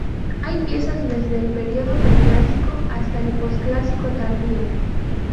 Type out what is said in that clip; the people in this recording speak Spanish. Hay piezas desde el periodo preclásico hasta el posclásico tardío.